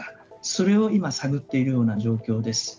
それを今、探っているような状況です。